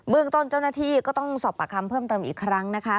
เรื่องต้นเจ้าหน้าที่ก็ต้องสอบปากคำเพิ่มเติมอีกครั้งนะคะ